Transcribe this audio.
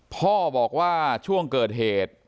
พ่อบอกว่าช่วงเกิดเหตุ